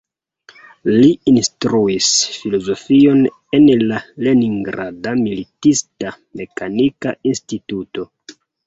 Li instruis filozofion en la Leningrada Militista Mekanika Instituto.